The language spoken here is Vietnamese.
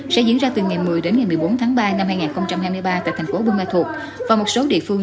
sẽ diễn ra từ ngày một mươi đến ngày một mươi bốn tháng ba năm hai nghìn hai mươi ba tại tp hcm và một số địa phương